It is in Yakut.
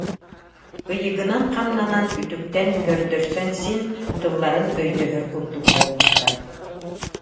Ыйыгынан хамнанан, үтүктэн көрдөрсөн син тылларын өйдөһөр курдук буолбуттар